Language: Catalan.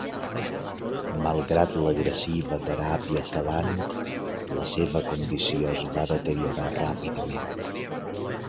Malgrat l'agressiva teràpia quelant, la seva condició es va deteriorar ràpidament.